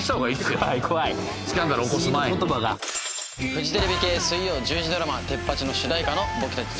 フジテレビ系水曜１０時ドラマ『テッパチ！』の主題歌の僕たち